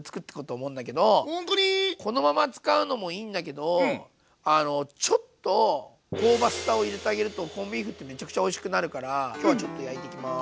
ほんとに⁉このまま使うのもいいんだけどちょっと香ばしさを入れてあげるとコンビーフってめちゃくちゃおいしくなるから今日はちょっと焼いていきます。